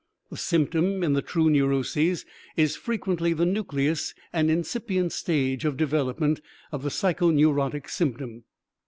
The symptom in the true neuroses is frequently the nucleus and incipient stage of development of the psychoneurotic symptom.